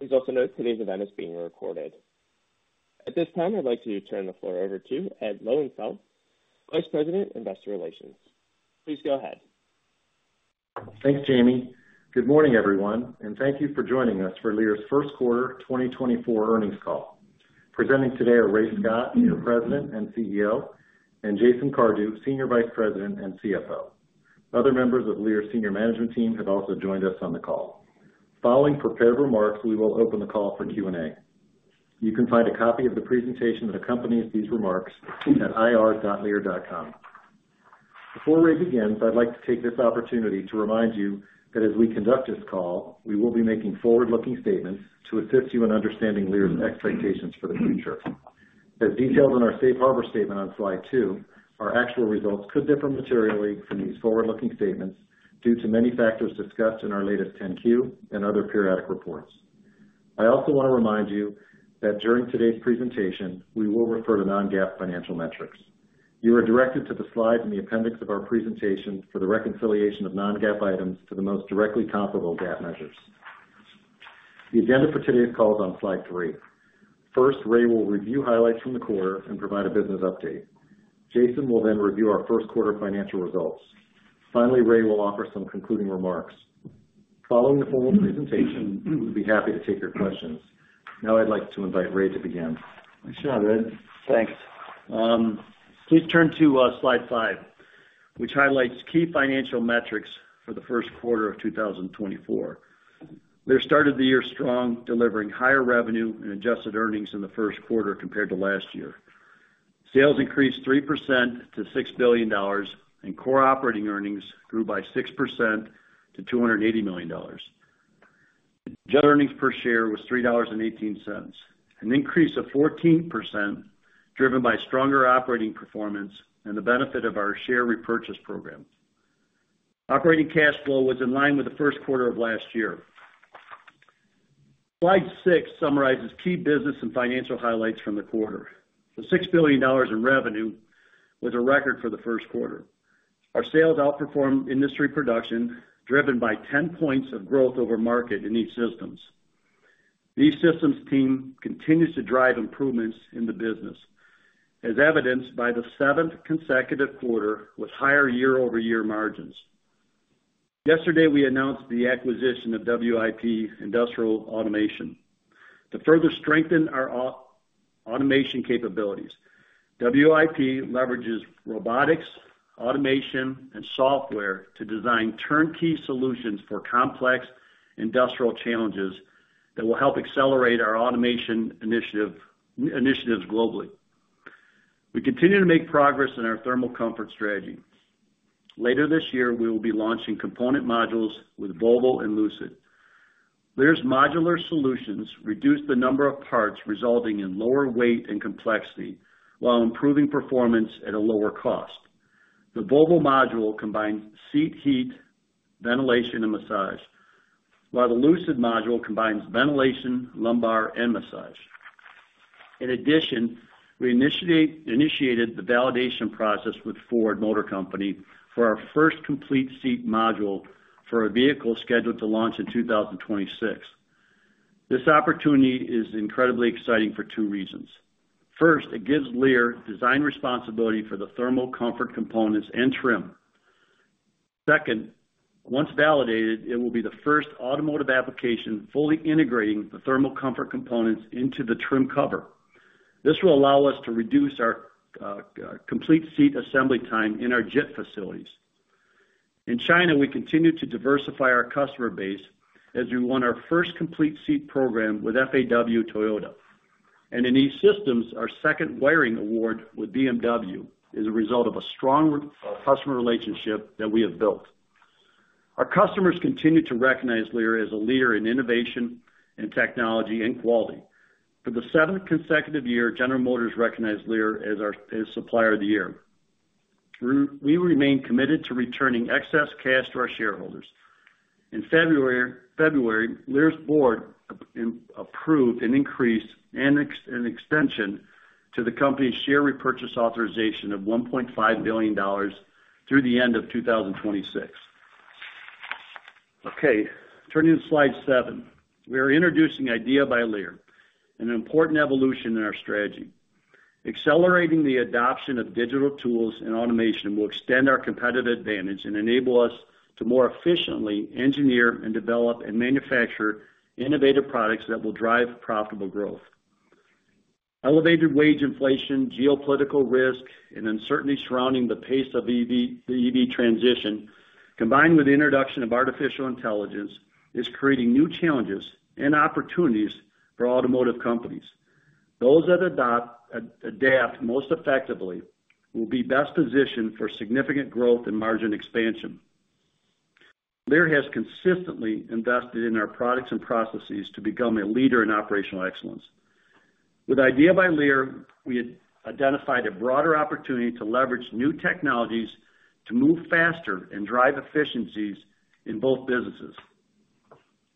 Please also note today's event is being recorded. At this time, I'd like to turn the floor over to Ed Lowenfeld, Vice President, Investor Relations. Please go ahead. Thanks, Jamie. Good morning, everyone, and thank you for joining us for Lear's first quarter, 2024 earnings call. Presenting today are Ray Scott, the President and CEO, and Jason Cardew, Senior Vice President and CFO. Other members of Lear's senior management team have also joined us on the call. Following prepared remarks, we will open the call for Q&A. You can find a copy of the presentation that accompanies these remarks at ir.lear.com. Before Ray begins, I'd like to take this opportunity to remind you that as we conduct this call, we will be making forward-looking statements to assist you in understanding Lear's expectations for the future. As detailed in our safe harbor statement on slide 2, our actual results could differ materially from these forward-looking statements due to many factors discussed in our latest 10-Q and other periodic reports. I also want to remind you that during today's presentation, we will refer to non-GAAP financial metrics. You are directed to the slide in the appendix of our presentation for the reconciliation of non-GAAP items to the most directly comparable GAAP measures. The agenda for today's call is on slide 3. First, Ray will review highlights from the quarter and provide a business update. Jason will then review our first quarter financial results. Finally, Ray will offer some concluding remarks. Following the formal presentation, we'll be happy to take your questions. Now I'd like to invite Ray to begin. Thanks, Ed. Thanks. Please turn to slide five, which highlights key financial metrics for the first quarter of 2024. Lear started the year strong, delivering higher revenue and adjusted earnings in the first quarter compared to last year. Sales increased 3% to $6 billion, and core operating earnings grew by 6% to $280 million. Net earnings per share was $3.18, an increase of 14%, driven by stronger operating performance and the benefit of our share repurchase program. Operating cash flow was in line with the first quarter of last year. Slide six summarizes key business and financial highlights from the quarter. The $6 billion in revenue was a record for the first quarter. Our sales outperformed industry production, driven by 10 points of growth over market in E-Systems. These systems team continues to drive improvements in the business, as evidenced by the seventh consecutive quarter with higher year-over-year margins. Yesterday, we announced the acquisition of WIP Industrial Automation to further strengthen our automation capabilities. WIP leverages robotics, automation, and software to design turnkey solutions for complex industrial challenges that will help accelerate our automation initiatives globally. We continue to make progress in our thermal comfort strategy. Later this year, we will be launching component modules with Volvo and Lucid. Lear's modular solutions reduce the number of parts, resulting in lower weight and complexity, while improving performance at a lower cost. The Volvo module combines seat heat, ventilation, and massage, while the Lucid module combines ventilation, lumbar, and massage. In addition, we initiated the validation process with Ford Motor Company for our first complete seat module for a vehicle scheduled to launch in 2026. This opportunity is incredibly exciting for two reasons. First, it gives Lear design responsibility for the thermal comfort components and trim. Second, once validated, it will be the first automotive application fully integrating the thermal comfort components into the trim cover. This will allow us to reduce our complete seat assembly time in our JIT facilities. In China, we continue to diversify our customer base as we won our first complete seat program with FAW Toyota. And in E-Systems, our second wiring award with BMW is a result of a strong customer relationship that we have built. Our customers continue to recognize Lear as a leader in innovation and technology and quality. For the seventh consecutive year, General Motors recognized Lear as a Supplier of the Year. We remain committed to returning excess cash to our shareholders. In February, Lear's board approved an increase and an extension to the company's share repurchase authorization of $1.5 billion through the end of 2026. Okay, turning to slide 7. We are introducing IDEA by Lear, an important evolution in our strategy. Accelerating the adoption of digital tools and automation will extend our competitive advantage and enable us to more efficiently engineer and develop and manufacture innovative products that will drive profitable growth. Elevated wage inflation, geopolitical risk, and uncertainty surrounding the pace of EV, the EV transition, combined with the introduction of artificial intelligence, is creating new challenges and opportunities for automotive companies. Those that adapt most effectively will be best positioned for significant growth and margin expansion. Lear has consistently invested in our products and processes to become a leader in operational excellence. With IDEA by Lear, we had identified a broader opportunity to leverage new technologies to move faster and drive efficiencies in both businesses.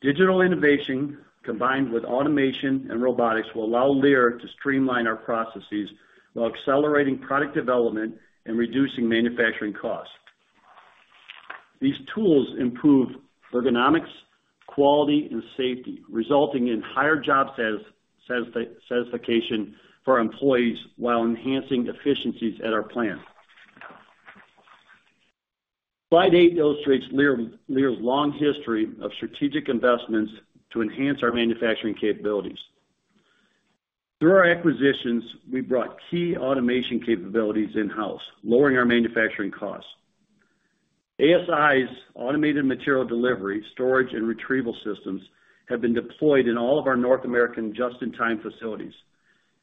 Digital innovation, combined with automation and robotics, will allow Lear to streamline our processes while accelerating product development and reducing manufacturing costs. These tools improve ergonomics, quality, and safety, resulting in higher job satisfaction for our employees while enhancing efficiencies at our plant. Slide eight illustrates Lear's long history of strategic investments to enhance our manufacturing capabilities. Through our acquisitions, we brought key automation capabilities in-house, lowering our manufacturing costs. ASI's automated material delivery, storage, and retrieval systems have been deployed in all of our North American just-in-time facilities.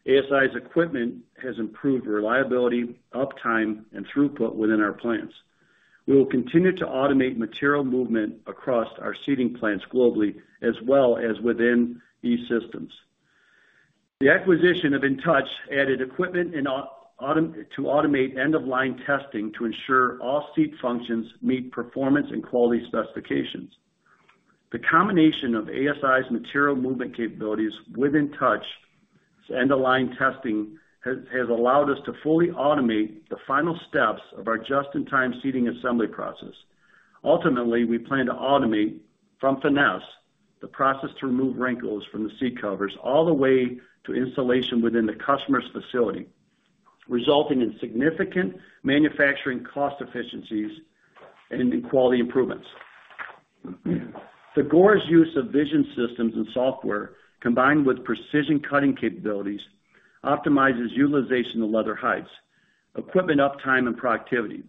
ASI's equipment has improved reliability, uptime, and throughput within our plants. We will continue to automate material movement across our seating plants globally, as well as within E-Systems. The acquisition of InTouch added equipment and automation to automate end-of-line testing to ensure all seat functions meet performance and quality specifications. The combination of ASI's material movement capabilities with InTouch's end-of-line testing has allowed us to fully automate the final steps of our just-in-time seating assembly process. Ultimately, we plan to automate from Finesse, the process to remove wrinkles from the seat covers all the way to installation within the customer's facility, resulting in significant manufacturing cost efficiencies and in quality improvements. Thagora's use of vision systems and software, combined with precision cutting capabilities, optimizes utilization of leather hides, equipment uptime, and productivity.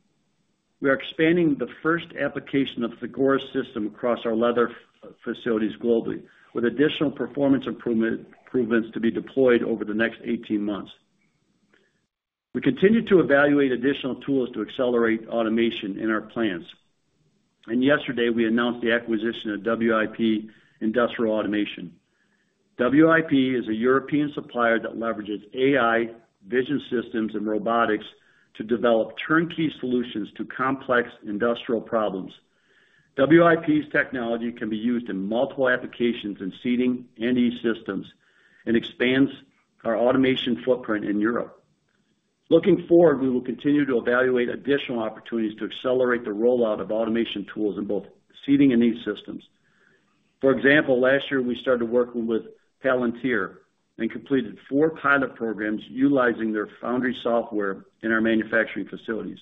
We are expanding the first application of the Thagora system across our leather facilities globally, with additional performance improvement, improvements to be deployed over the next 18 months. We continue to evaluate additional tools to accelerate automation in our plants, and yesterday, we announced the acquisition of WIP Industrial Automation. WIP is a European supplier that leverages AI, vision systems, and robotics to develop turnkey solutions to complex industrial problems. WIP's technology can be used in multiple applications in Seating and E-Systems and expands our automation footprint in Europe. Looking forward, we will continue to evaluate additional opportunities to accelerate the rollout of automation tools in both Seating and E-Systems. For example, last year, we started working with Palantir and completed 4 pilot programs utilizing their Foundry software in our manufacturing facilities.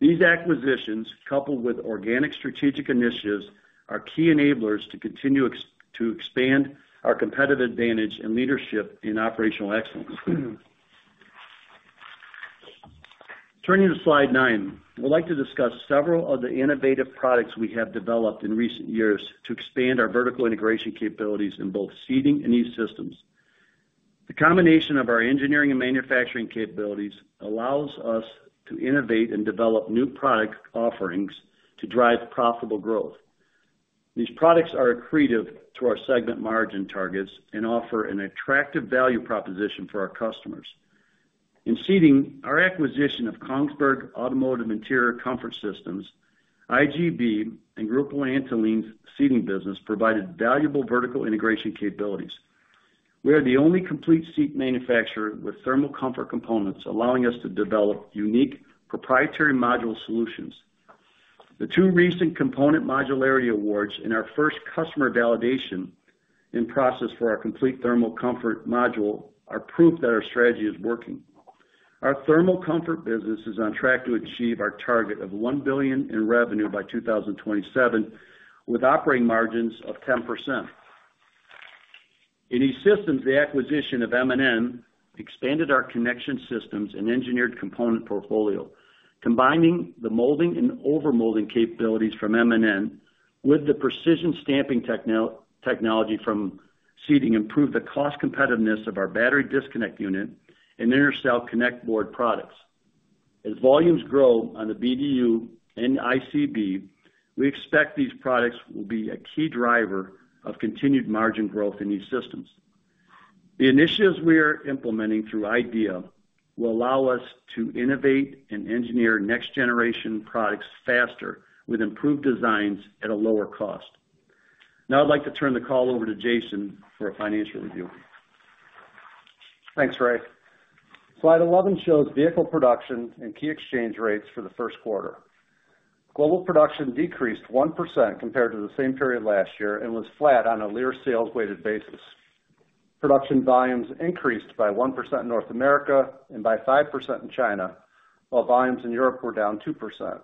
These acquisitions, coupled with organic strategic initiatives, are key enablers to continue to expand our competitive advantage and leadership in operational excellence. Turning to Slide 9, I'd like to discuss several of the innovative products we have developed in recent years to expand our vertical integration capabilities in both Seating and E-Systems. The combination of our engineering and manufacturing capabilities allows us to innovate and develop new product offerings to drive profitable growth. These products are accretive to our segment margin targets and offer an attractive value proposition for our customers. In Seating, our acquisition of Kongsberg Automotive Interior Comfort Systems, IGB, and Grupo Antolin's seating business provided valuable vertical integration capabilities. We are the only complete seat manufacturer with thermal comfort components, allowing us to develop unique proprietary module solutions. The two recent component modularity awards and our first customer validation in process for our complete thermal comfort module are proof that our strategy is working. Our thermal comfort business is on track to achieve our target of $1 billion in revenue by 2027, with operating margins of 10%. In E-Systems, the acquisition of M&N expanded our connection systems and engineered component portfolio, combining the molding and over-molding capabilities from M&N with the precision stamping technology from Seating, improved the cost competitiveness of our battery disconnect unit and intercell connect board products. As volumes grow on the BDU and ICB, we expect these products will be a key driver of continued margin growth in E-Systems. The initiatives we are implementing through IDEA will allow us to innovate and engineer next-generation products faster, with improved designs at a lower cost. Now I'd like to turn the call over to Jason for a financial review. Thanks, Ray. Slide 11 shows vehicle production and key exchange rates for the first quarter. Global production decreased 1% compared to the same period last year and was flat on a Lear sales-weighted basis. Production volumes increased by 1% in North America and by 5% in China, while volumes in Europe were down 2%.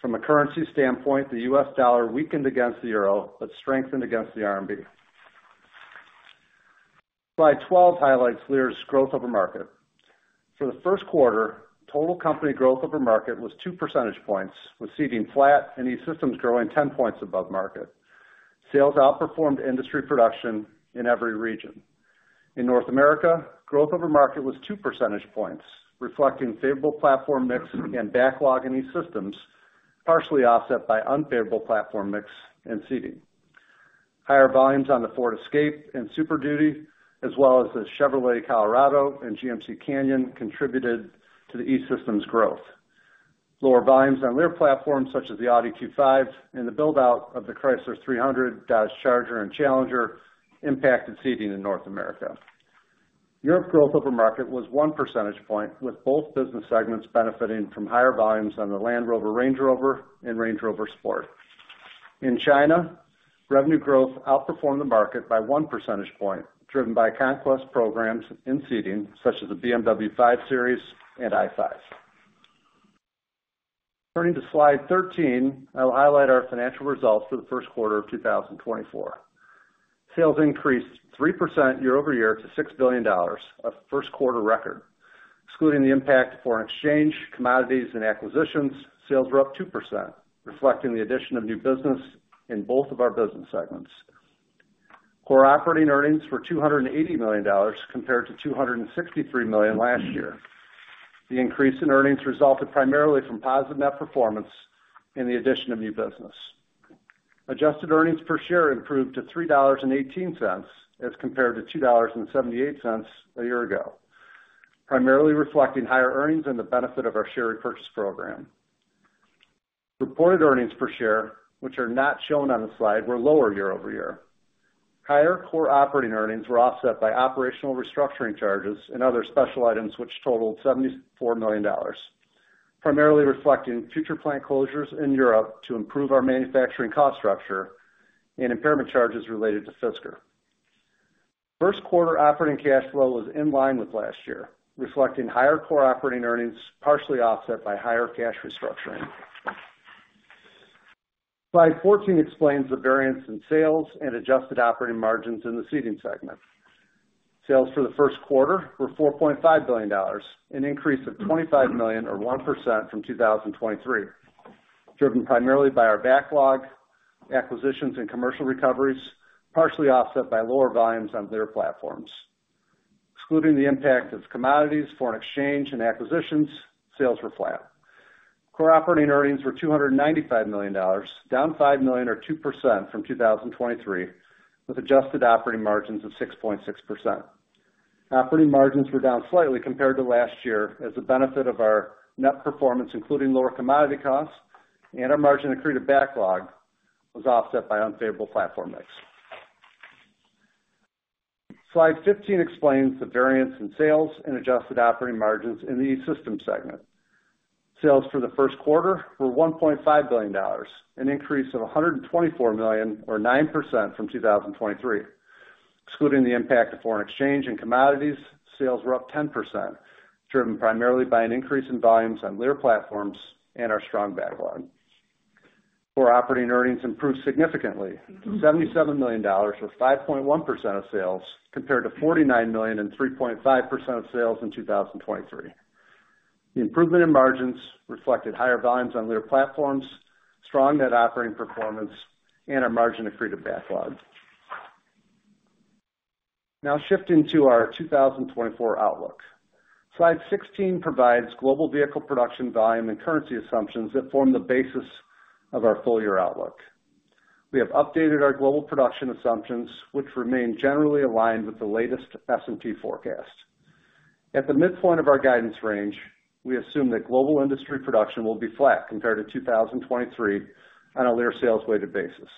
From a currency standpoint, the U.S. dollar weakened against the euro, but strengthened against the RMB. Slide 12 highlights Lear's growth over market. For the first quarter, total company growth over market was two percentage points, with Seating flat and E-Systems growing 10 points above market. Sales outperformed industry production in every region. In North America, growth over market was two percentage points, reflecting favorable platform mix and backlog in E-Systems, partially offset by unfavorable platform mix in Seating. Higher volumes on the Ford Escape and Super Duty, as well as the Chevrolet Colorado and GMC Canyon, contributed to the E-Systems growth. Lower volumes on Lear platforms, such as the Audi Q5 and the build-out of the Chrysler 300, Dodge Charger, and Challenger, impacted Seating in North America. Europe growth over market was 1 percentage point, with both business segments benefiting from higher volumes on the Land Rover, Range Rover, and Range Rover Sport. In China, revenue growth outperformed the market by 1 percentage point, driven by conquest programs in seating, such as the BMW 5 Series and i5. Turning to Slide 13, I'll highlight our financial results for the first quarter of 2024. Sales increased 3% year-over-year to $6 billion, a first quarter record. Excluding the impact of foreign exchange, commodities, and acquisitions, sales were up 2%, reflecting the addition of new business in both of our business segments. Core operating earnings were $280 million, compared to $263 million last year. The increase in earnings resulted primarily from positive net performance and the addition of new business. Adjusted earnings per share improved to $3.18, as compared to $2.78 a year ago, primarily reflecting higher earnings and the benefit of our share repurchase program. Reported earnings per share, which are not shown on the slide, were lower year over year. Higher core operating earnings were offset by operational restructuring charges and other special items, which totaled $74 million, primarily reflecting future plant closures in Europe to improve our manufacturing cost structure and impairment charges related to Fisker. First quarter operating cash flow was in line with last year, reflecting higher core operating earnings, partially offset by higher cash restructuring. Slide 14 explains the variance in sales and adjusted operating margins in the Seating segment. Sales for the first quarter were $4.5 billion, an increase of $25 million or 1% from 2023, driven primarily by our backlog, acquisitions, and commercial recoveries, partially offset by lower volumes on their platforms. Excluding the impact of commodities, foreign exchange, and acquisitions, sales were flat. Core operating earnings were $295 million, down $5 million or 2% from 2023, with adjusted operating margins of 6.6%. Operating margins were down slightly compared to last year, as the benefit of our net performance, including lower commodity costs and our margin accreted backlog, was offset by unfavorable platform mix. Slide 15 explains the variance in sales and adjusted operating margins in the E-Systems segment. Sales for the first quarter were $1.5 billion, an increase of $124 million, or 9% from 2023. Excluding the impact of foreign exchange and commodities, sales were up 10%, driven primarily by an increase in volumes on Lear platforms and our strong backlog. Core operating earnings improved significantly to $77 million, or 5.1% of sales, compared to $49 million and 3.5% of sales in 2023. The improvement in margins reflected higher volumes on Lear platforms, strong net operating performance, and our margin accreted backlog. Now, shifting to our 2024 outlook. Slide 16 provides global vehicle production volume and currency assumptions that form the basis of our full-year outlook. We have updated our global production assumptions, which remain generally aligned with the latest S&P forecast. At the midpoint of our guidance range, we assume that global industry production will be flat compared to 2023 on a Lear sales weighted basis.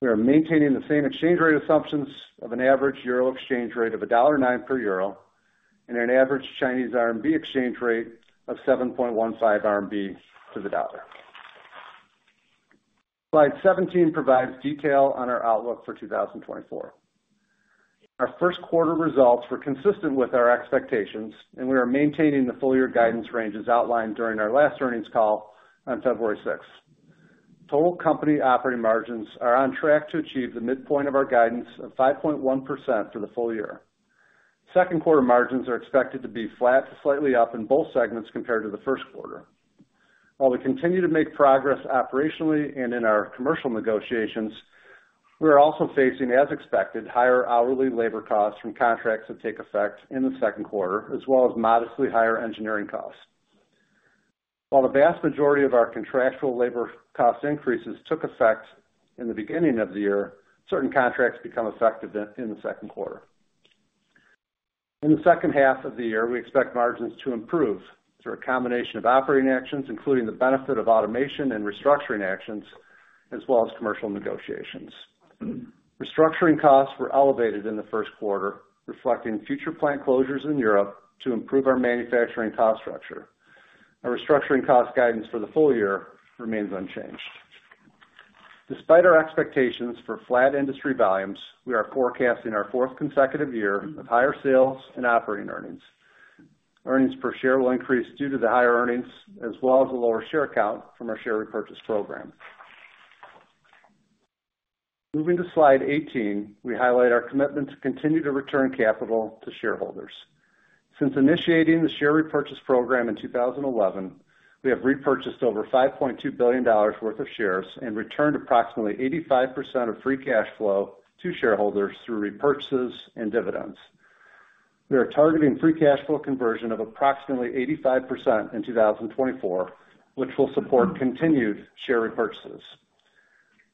We are maintaining the same exchange rate assumptions of an average euro exchange rate of $1.09 per euro and an average Chinese RMB exchange rate of 7.15 RMB to the dollar. Slide 17 provides detail on our outlook for 2024. Our first quarter results were consistent with our expectations, and we are maintaining the full-year guidance ranges outlined during our last earnings call on February sixth. Total company operating margins are on track to achieve the midpoint of our guidance of 5.1% for the full year. Second quarter margins are expected to be flat to slightly up in both segments compared to the first quarter. While we continue to make progress operationally and in our commercial negotiations, we are also facing, as expected, higher hourly labor costs from contracts that take effect in the second quarter, as well as modestly higher engineering costs. While the vast majority of our contractual labor cost increases took effect in the beginning of the year, certain contracts become effective in the second quarter. In the second half of the year, we expect margins to improve through a combination of operating actions, including the benefit of automation and restructuring actions, as well as commercial negotiations. Restructuring costs were elevated in the first quarter, reflecting future plant closures in Europe to improve our manufacturing cost structure. Our restructuring cost guidance for the full year remains unchanged. Despite our expectations for flat industry volumes, we are forecasting our fourth consecutive year of higher sales and operating earnings. Earnings per share will increase due to the higher earnings, as well as the lower share count from our share repurchase program. Moving to Slide 18, we highlight our commitment to continue to return capital to shareholders. Since initiating the share repurchase program in 2011, we have repurchased over $5.2 billion worth of shares and returned approximately 85% of free cash flow to shareholders through repurchases and dividends. We are targeting free cash flow conversion of approximately 85% in 2024, which will support continued share repurchases.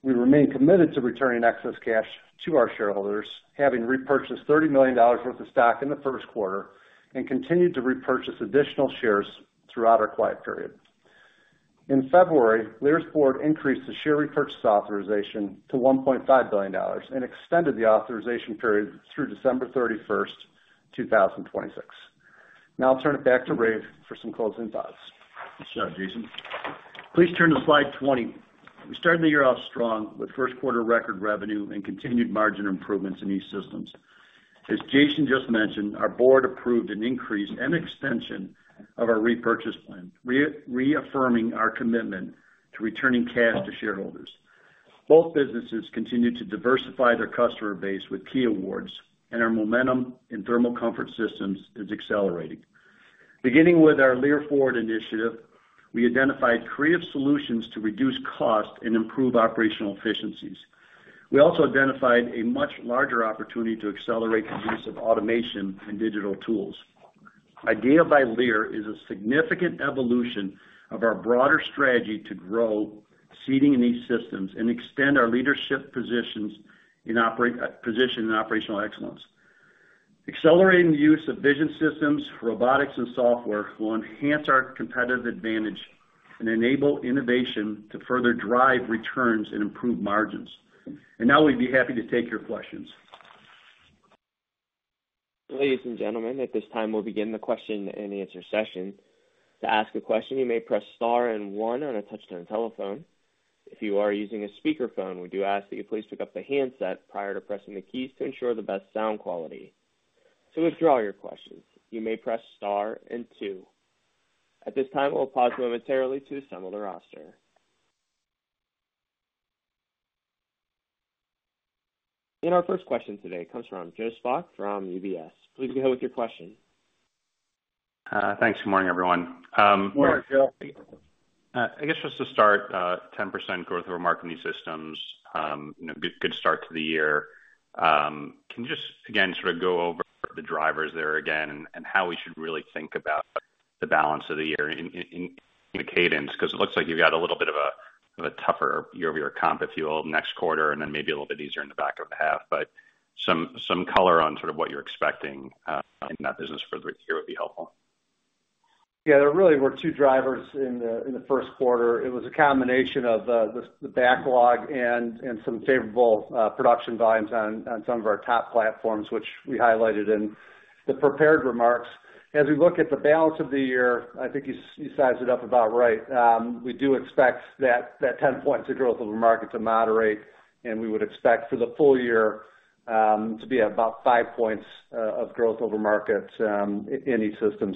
We remain committed to returning excess cash to our shareholders, having repurchased $30 million worth of stock in the first quarter and continued to repurchase additional shares throughout our quiet period. In February, Lear's board increased the share repurchase authorization to $1.5 billion and extended the authorization period through December 31, 2026. Now I'll turn it back to Ray for some closing thoughts. Thanks, Jason. Please turn to slide 20. We started the year off strong with first quarter record revenue and continued margin improvements in these systems. As Jason just mentioned, our board approved an increase and extension of our repurchase plan, reaffirming our commitment to returning cash to shareholders. Both businesses continue to diversify their customer base with key awards, and our momentum in thermal comfort systems is accelerating. Beginning with our Lear Forward initiative, we identified creative solutions to reduce cost and improve operational efficiencies. We also identified a much larger opportunity to accelerate the use of automation and digital tools. IDEA by Lear is a significant evolution of our broader strategy to grow seating in these systems and extend our leadership positions in operational position in operational excellence. Accelerating the use of vision systems, robotics, and software will enhance our competitive advantage and enable innovation to further drive returns and improve margins. And now we'd be happy to take your questions. Ladies and gentlemen, at this time, we'll begin the question-and-answer session. To ask a question, you may press star and one on a touch-tone telephone. If you are using a speakerphone, we do ask that you please pick up the handset prior to pressing the keys to ensure the best sound quality. To withdraw your questions, you may press star and two. At this time, we'll pause momentarily to assemble the roster. Our first question today comes from Joe Spak from UBS. Please go ahead with your question. Thanks. Good morning, everyone. Good morning, Joe. I guess just to start, 10% growth over market new systems, you know, good, good start to the year. Can you just, again, sort of go over the drivers there again and, and how we should really think about the balance of the year in, in, in the cadence? Because it looks like you've got a little bit of a, of a tougher year-over-year comp, if you will, next quarter, and then maybe a little bit easier in the back of the half. But some, some color on sort of what you're expecting, in that business for the year would be helpful. Yeah, there really were two drivers in the first quarter. It was a combination of the backlog and some favorable production volumes on some of our top platforms, which we highlighted in the prepared remarks. As we look at the balance of the year, I think you sized it up about right. We do expect that 10 points of growth over market to moderate, and we would expect for the full year to be about five points of growth over market in each system.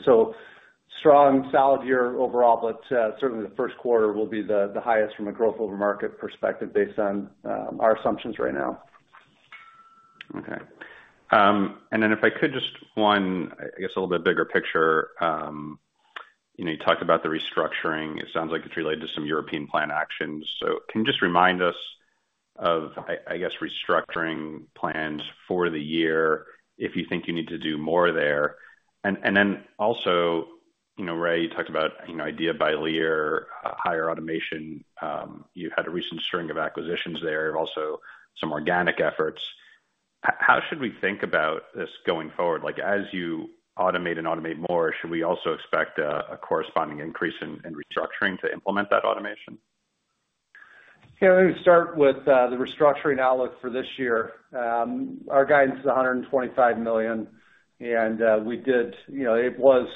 So strong, solid year overall, but certainly the first quarter will be the highest from a growth over market perspective based on our assumptions right now. Okay. And then if I could just one, I guess, a little bit bigger picture. You know, you talked about the restructuring. It sounds like it's related to some European plant actions. So can you just remind us of, I guess, restructuring plans for the year, if you think you need to do more there? And then also, you know, Ray, you talked about, you know, IDEA by Lear, higher automation. You had a recent string of acquisitions there and also some organic efforts. How should we think about this going forward? Like, as you automate and automate more, should we also expect a corresponding increase in restructuring to implement that automation? Yeah, let me start with the restructuring outlook for this year. Our guidance is $125 million, and you know, it was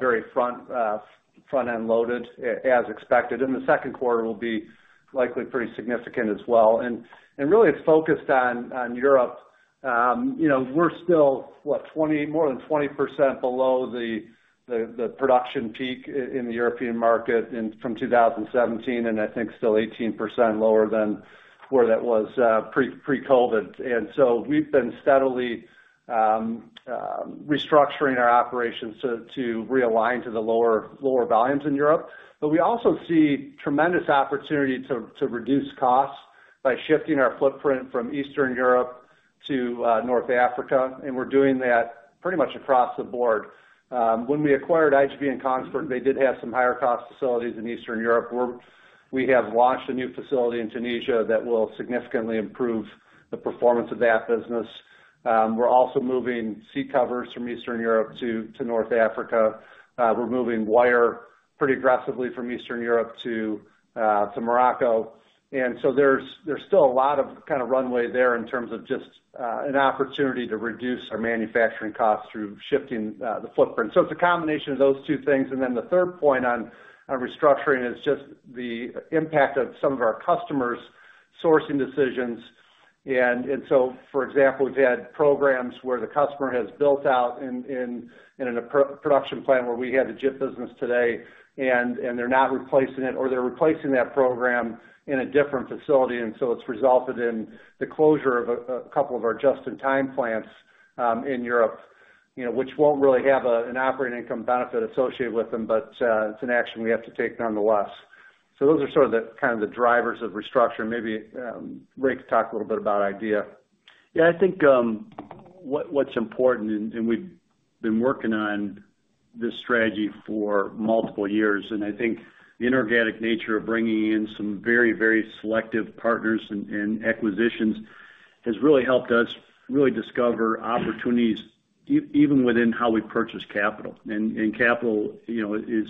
very front-end loaded, as expected, and the second quarter will be likely pretty significant as well. And really it's focused on Europe. You know, we're still, what? More than 20% below the production peak in the European market from 2017, and I think still 18% lower than where that was pre-COVID. And so we've been steadily restructuring our operations to realign to the lower volumes in Europe. But we also see tremendous opportunity to reduce costs by shifting our footprint from Eastern Europe to North Africa, and we're doing that pretty much across the board. When we acquired IGB and Kongsberg, they did have some higher cost facilities in Eastern Europe, where we have launched a new facility in Tunisia that will significantly improve the performance of that business. We're also moving seat covers from Eastern Europe to North Africa. We're moving wire pretty aggressively from Eastern Europe to Morocco. And so there's still a lot of kind of runway there in terms of just an opportunity to reduce our manufacturing costs through shifting the footprint. So it's a combination of those two things. And then the third point on restructuring is just the impact of some of our customers' sourcing decisions. And so, for example, we've had programs where the customer has built out in a production plant where we had the JIT business today, and they're not replacing it, or they're replacing that program in a different facility, and so it's resulted in the closure of a couple of our just-in-time plants in Europe, you know, which won't really have an operating income benefit associated with them, but it's an action we have to take nonetheless. So those are sort of the, kind of the drivers of restructure. Maybe Ray can talk a little bit about Idea. Yeah, I think, what, what's important, and, and we've been working on this strategy for multiple years, and I think the inorganic nature of bringing in some very, very selective partners and, and acquisitions has really helped us really discover opportunities even within how we purchase capital. And, and capital, you know, is,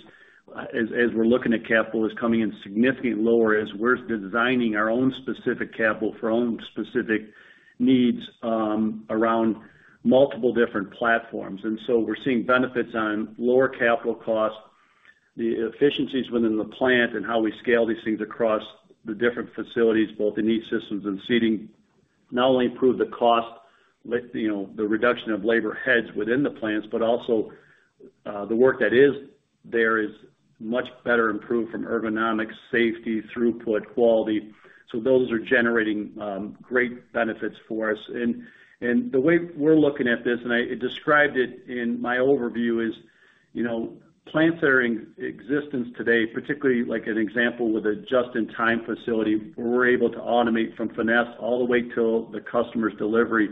as, as we're looking at capital, is coming in significantly lower, as we're designing our own specific capital for our own specific needs, around multiple different platforms. And so we're seeing benefits on lower capital costs, the efficiencies within the plant and how we scale these things across the different facilities, both in E-Systems and Seating. Not only improve the cost, like, you know, the reduction of labor heads within the plants, but also, the work that is there is much better improved from ergonomics, safety, throughput, quality. So those are generating great benefits for us. And the way we're looking at this, and I described it in my overview, is, you know, plants that are in existence today, particularly like an example with a just-in-time facility, where we're able to automate from Finesse all the way till the customer's delivery,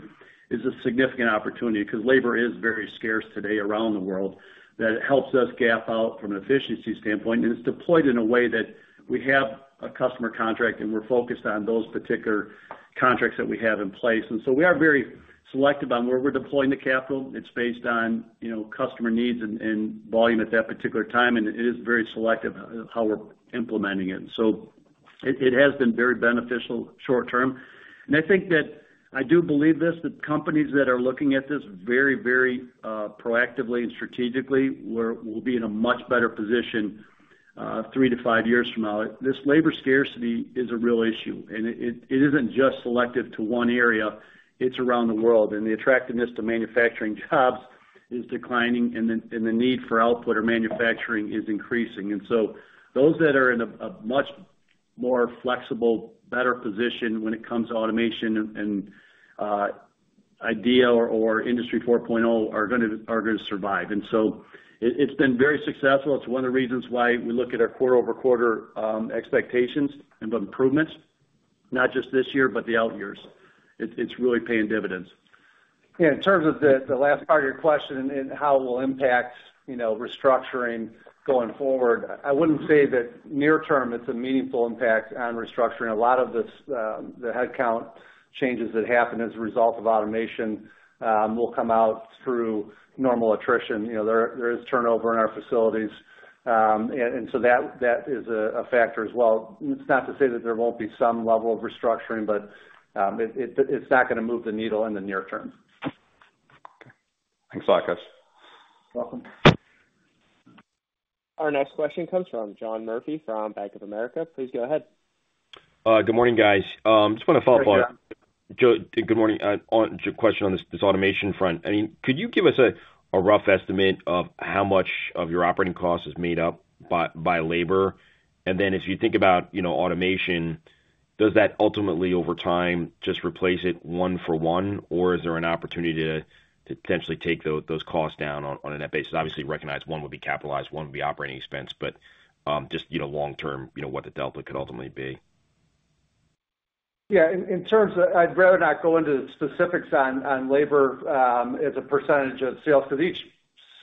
is a significant opportunity. Because labor is very scarce today around the world, that it helps us gap out from an efficiency standpoint, and it's deployed in a way that we have a customer contract, and we're focused on those particular contracts that we have in place. And so we are very selective on where we're deploying the capital. It's based on, you know, customer needs and volume at that particular time, and it is very selective on how we're implementing it. So it has been very beneficial short term. I think that I do believe this, that companies that are looking at this very, very proactively and strategically will be in a much better position 3-5 years from now. This labor scarcity is a real issue, and it isn't just selective to one area; it's around the world. The attractiveness to manufacturing jobs is declining, and the need for output or manufacturing is increasing. So those that are in a much more flexible, better position when it comes to automation and IDEA or Industry 4.0 are gonna survive. So it's been very successful. It's one of the reasons why we look at our quarter-over-quarter expectations and improvements, not just this year, but the out years. It's really paying dividends. Yeah, in terms of the last part of your question and how it will impact, you know, restructuring going forward, I wouldn't say that near term, it's a meaningful impact on restructuring. A lot of this, the headcount changes that happen as a result of automation, will come out through normal attrition. You know, there is turnover in our facilities, and so that is a factor as well. It's not to say that there won't be some level of restructuring, but it's not gonna move the needle in the near term. Okay. Thanks a lot, guys. Welcome. Our next question comes from John Murphy from Bank of America. Please go ahead. Good morning, guys. Just want to follow up on- Good morning, John. Good morning. On question on this automation front. I mean, could you give us a rough estimate of how much of your operating cost is made up by labor? And then if you think about, you know, automation, does that ultimately, over time, just replace it one for one? Or is there an opportunity to potentially take those costs down on a net basis? Obviously, recognize one would be capitalized, one would be operating expense, but just, you know, long term, you know, what the delta could ultimately be. Yeah, in terms of... I'd rather not go into the specifics on labor as a percentage of sales, because each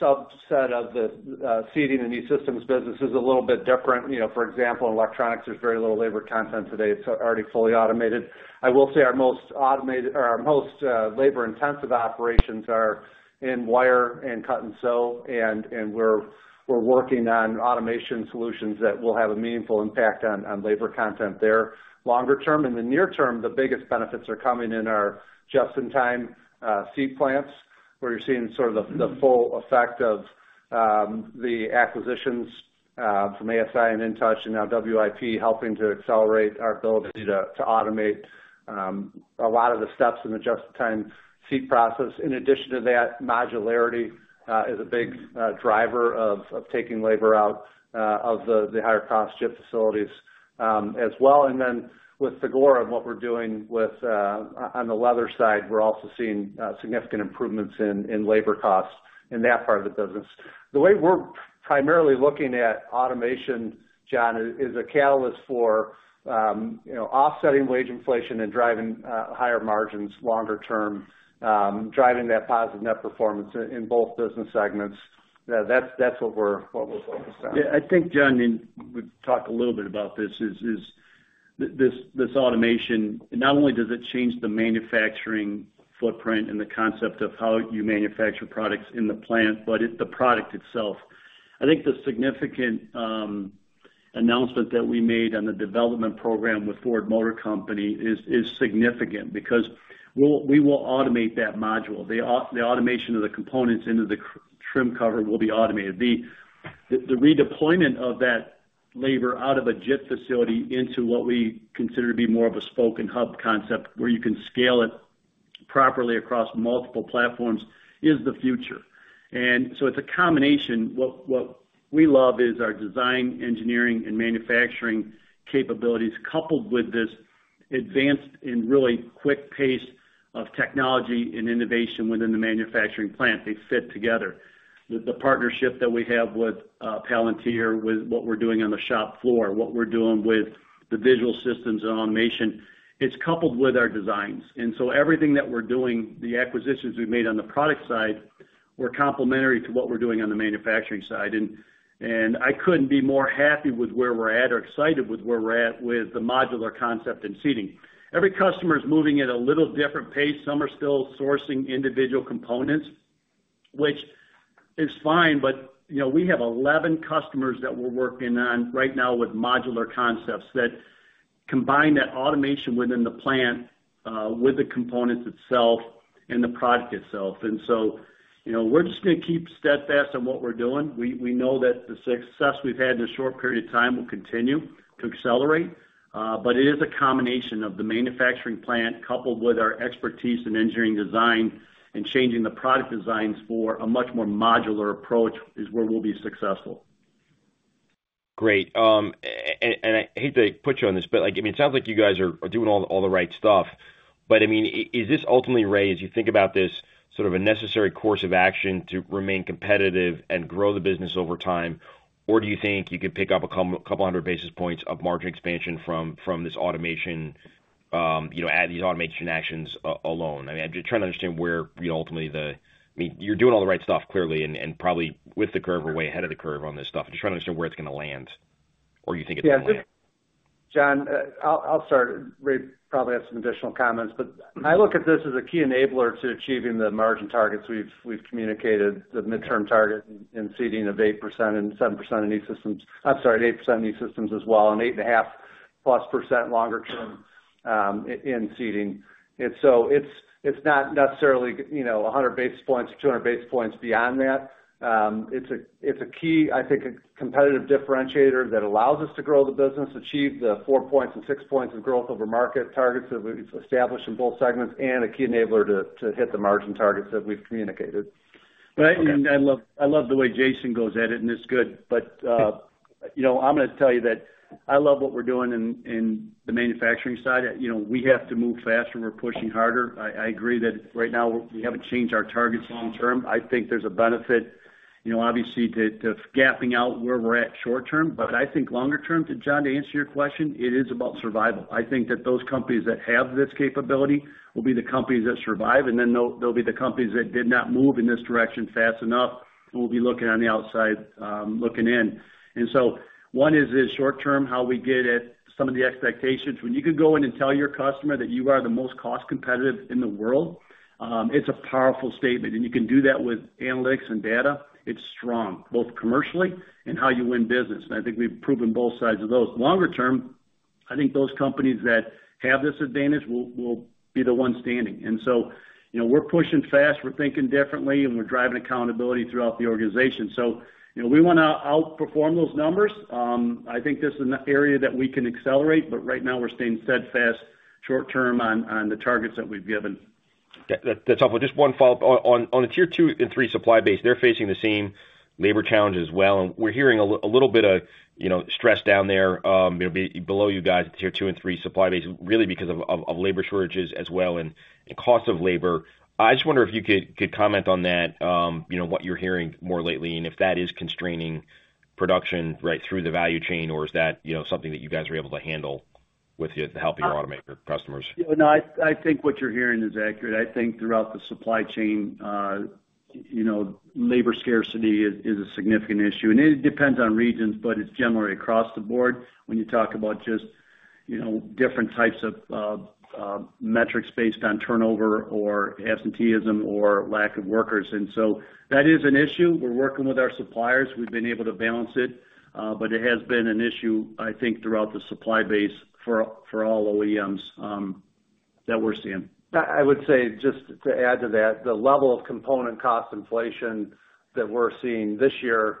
subset of the seating and these systems businesses is a little bit different. You know, for example, in electronics, there's very little labor content today. It's already fully automated. I will say our most automated or our most labor-intensive operations are in wire and cut and sew, and we're working on automation solutions that will have a meaningful impact on labor content there, longer term. In the near term, the biggest benefits are coming in our just-in-time seat plants, where you're seeing sort of the full effect of the acquisitions from ASI and InTouch and now WIP, helping to accelerate our ability to automate a lot of the steps in the just-in-time seat process. In addition to that, modularity is a big driver of taking labor out of the higher cost JIT facilities as well. And then with Segura and what we're doing with on the leather side, we're also seeing significant improvements in labor costs in that part of the business. The way we're primarily looking at automation, John, is a catalyst for you know, offsetting wage inflation and driving higher margins longer term, driving that positive net performance in both business segments. That's what we're focused on. Yeah, I think, John, and we've talked a little bit about this, is this automation, not only does it change the manufacturing footprint and the concept of how you manufacture products in the plant, but it, the product itself. I think the significant announcement that we made on the development program with Ford Motor Company is significant because we will automate that module. The automation of the components into the trim cover will be automated. The redeployment of that labor out of a JIT facility into what we consider to be more of a spoken hub concept, where you can scale it properly across multiple platforms, is the future. And so it's a combination. What we love is our design, engineering, and manufacturing capabilities, coupled with this advanced and really quick pace of technology and innovation within the manufacturing plant. They fit together. The partnership that we have with Palantir, with what we're doing on the shop floor, what we're doing with the visual systems and automation, it's coupled with our designs. And so everything that we're doing, the acquisitions we've made on the product side, we're complementary to what we're doing on the manufacturing side, and I couldn't be more happy with where we're at or excited with where we're at with the modular concept in seating. Every customer is moving at a little different pace. Some are still sourcing individual components, which is fine, but, you know, we have 11 customers that we're working on right now with modular concepts that combine that automation within the plant with the components itself and the product itself. And so, you know, we're just going to keep steadfast on what we're doing. We know that the success we've had in a short period of time will continue to accelerate, but it is a combination of the manufacturing plant, coupled with our expertise in engineering design and changing the product designs for a much more modular approach, is where we'll be successful. Great. And I hate to put you on this, but, like, I mean, it sounds like you guys are doing all the right stuff, but, I mean, is this ultimately, Ray, as you think about this, sort of a necessary course of action to remain competitive and grow the business over time? Or do you think you could pick up a couple hundred basis points of margin expansion from this automation, you know, add these automation actions alone? I mean, I'm just trying to understand where, you know, ultimately, the... I mean, you're doing all the right stuff, clearly, and probably way ahead of the curve on this stuff. I'm just trying to understand where it's going to land or you think it's going to land. Yeah, just, John, I'll start. Ray will probably have some additional comments. But I look at this as a key enabler to achieving the margin targets we've communicated, the midterm target in seating of 8% and 7% in E-Systems. I'm sorry, 8% in E-Systems as well, and 8.5%+ longer term in seating. And so it's not necessarily, you know, 100 basis points or 200 basis points beyond that. It's a key, I think, a competitive differentiator that allows us to grow the business, achieve the 4 points and 6 points of growth over market targets that we've established in both segments, and a key enabler to hit the margin targets that we've communicated. Okay. But and I love, I love the way Jason goes at it, and it's good. But you know, I'm going to tell you that I love what we're doing in the manufacturing side. You know, we have to move faster, and we're pushing harder. I agree that right now, we haven't changed our targets long term. I think there's a benefit, you know, obviously, to gapping out where we're at short term. But I think longer term, to John, to answer your question, it is about survival. I think that those companies that have this capability will be the companies that survive, and then there'll be the companies that did not move in this direction fast enough will be looking on the outside looking in. And so one is short term, how we get at some of the expectations. When you can go in and tell your customer that you are the most cost competitive in the world, it's a powerful statement, and you can do that with analytics and data. It's strong, both commercially and how you win business, and I think we've proven both sides of those. Longer term, I think those companies that have this advantage will, will be the ones standing. And so, you know, we're pushing fast, we're thinking differently, and we're driving accountability throughout the organization. So, you know, we want to outperform those numbers. I think this is an area that we can accelerate, but right now we're staying steadfast short term on, on the targets that we've given. That, that's helpful. Just one follow-up. On a tier two and three supply base, they're facing the same labor challenge as well, and we're hearing a little bit of, you know, stress down there, below you guys at the tier two and three supply base, really because of labor shortages as well and cost of labor. I just wonder if you could comment on that, you know, what you're hearing more lately, and if that is constraining production right through the value chain, or is that, you know, something that you guys are able to handle with the helping automaker customers? No, I think what you're hearing is accurate. I think throughout the supply chain, you know, labor scarcity is a significant issue, and it depends on regions, but it's generally across the board when you talk about just, you know, different types of metrics based on turnover or absenteeism or lack of workers. And so that is an issue. We're working with our suppliers. We've been able to balance it, but it has been an issue, I think, throughout the supply base for all OEMs that we're seeing. I would say, just to add to that, the level of component cost inflation that we're seeing this year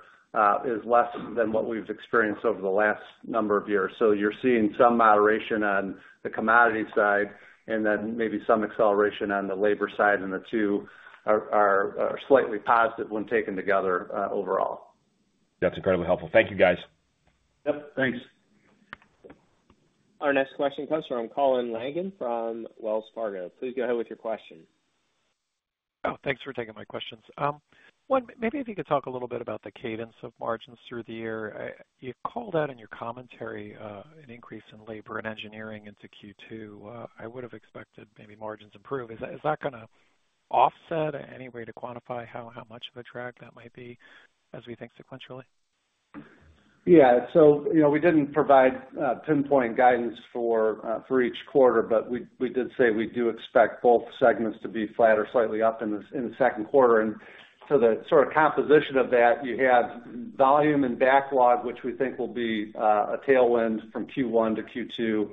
is less than what we've experienced over the last number of years. So you're seeing some moderation on the commodity side and then maybe some acceleration on the labor side, and the two are slightly positive when taken together, overall. That's incredibly helpful. Thank you, guys. Yep, thanks. Our next question comes from Colin Langan from Wells Fargo. Please go ahead with your question. Oh, thanks for taking my questions. One, maybe if you could talk a little bit about the cadence of margins through the year. You called out in your commentary an increase in labor and engineering into Q2. I would have expected maybe margins to improve. Is that going to offset? Any way to quantify how much of a drag that might be as we think sequentially? Yeah. So you know, we didn't provide pinpoint guidance for each quarter, but we did say we do expect both segments to be flat or slightly up in the second quarter. And so the sort of composition of that, you have volume and backlog, which we think will be a tailwind from Q1 to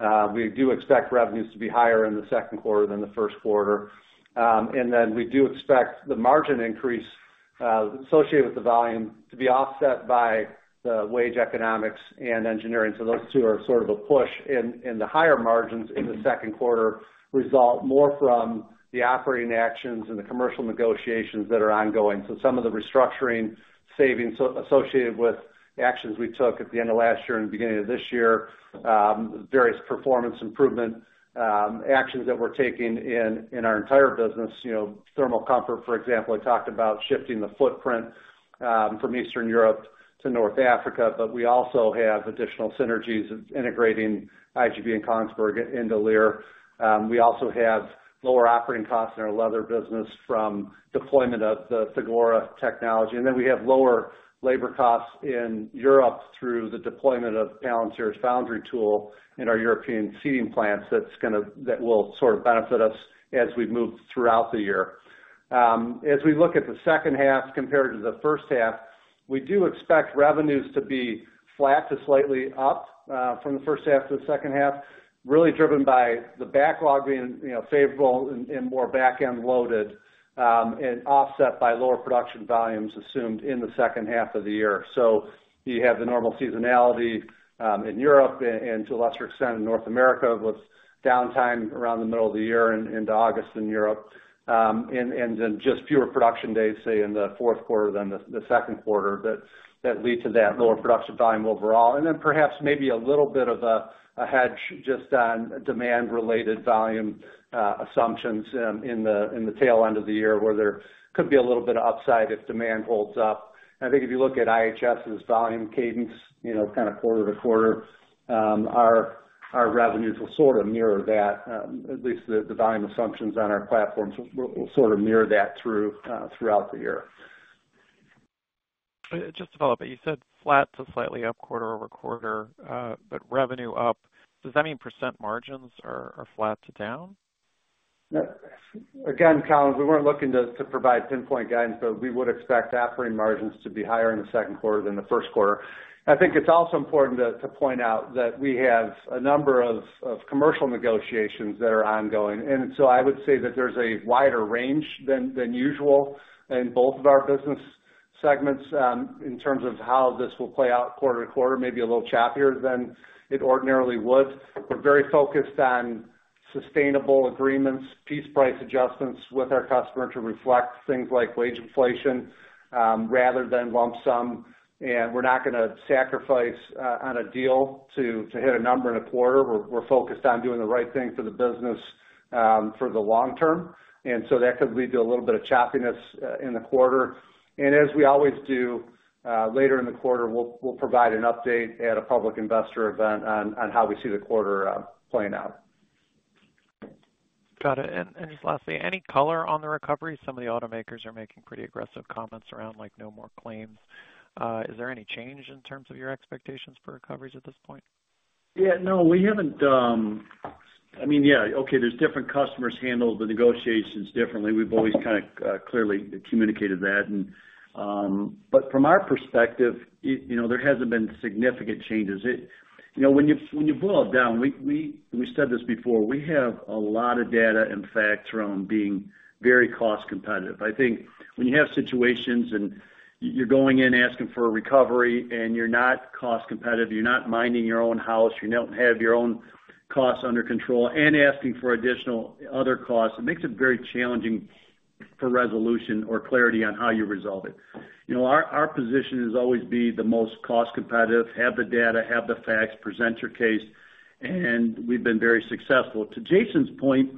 Q2. We do expect revenues to be higher in the second quarter than the first quarter. And then we do expect the margin increase associated with the volume to be offset by the wage economics and engineering. So those two are sort of a push in the higher margins in the second quarter, result more from the operating actions and the commercial negotiations that are ongoing. So some of the restructuring savings associated with the actions we took at the end of last year and beginning of this year, various performance improvement actions that we're taking in our entire business. You know, Thermal Comfort, for example, I talked about shifting the footprint from Eastern Europe to North Africa, but we also have additional synergies integrating IGB and Kongsberg into Lear. We also have lower operating costs in our leather business from deployment of the Segura technology. And then we have lower labor costs in Europe through the deployment of Palantir's Foundry tool in our European seating plants that's going to, that will sort of benefit us as we move throughout the year. As we look at the second half compared to the first half, we do expect revenues to be flat to slightly up from the first half to the second half, really driven by the backlog being, you know, favorable and more back-end loaded, and offset by lower production volumes assumed in the second half of the year. So you have the normal seasonality in Europe and to a lesser extent in North America, with downtime around the middle of the year into August in Europe. And then just fewer production days, say, in the fourth quarter than the second quarter, that lead to that lower production volume overall. And then perhaps maybe a little bit of a hedge just on demand-related volume assumptions in the tail end of the year, where there could be a little bit of upside if demand holds up. I think if you look at IHS's volume cadence, you know, kind of quarter to quarter, our revenues will sort of mirror that, at least the volume assumptions on our platforms will sort of mirror that throughout the year. Just to follow up, you said flat to slightly up quarter over quarter, but revenue up. Does that mean % margins are flat to down? Yeah. Again, Colin, we weren't looking to provide pinpoint guidance, but we would expect operating margins to be higher in the second quarter than the first quarter. I think it's also important to point out that we have a number of commercial negotiations that are ongoing, and so I would say that there's a wider range than usual in both of our business segments in terms of how this will play out quarter to quarter, maybe a little choppier than it ordinarily would. We're very focused on sustainable agreements, piece price adjustments with our customer to reflect things like wage inflation rather than lump sum. And we're not gonna sacrifice on a deal to hit a number in a quarter. We're focused on doing the right thing for the business, for the long term, and so that could lead to a little bit of choppiness in the quarter. And as we always do, later in the quarter, we'll provide an update at a public investor event on how we see the quarter playing out. Got it. And just lastly, any color on the recovery? Some of the automakers are making pretty aggressive comments around, like, no more claims. Is there any change in terms of your expectations for recoveries at this point? Yeah, no, we haven't. I mean, yeah, okay, there's different customers handle the negotiations differently. We've always kind of clearly communicated that and, but from our perspective, it, you know, there hasn't been significant changes. You know, when you, when you boil it down, we said this before, we have a lot of data and facts around being very cost competitive. I think when you have situations and you're going in asking for a recovery and you're not cost competitive, you're not minding your own house, you don't have your own costs under control and asking for additional other costs, it makes it very challenging for resolution or clarity on how you resolve it. You know, our position is always be the most cost competitive, have the data, have the facts, present your case, and we've been very successful. To Jason's point,